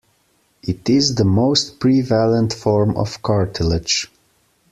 It is the most prevalent form of cartilage.